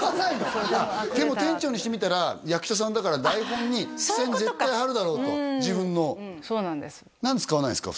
でも店長にしてみたら役者さんだから台本にあっそういうことか付箋絶対貼るだろうと自分のうんそうなんです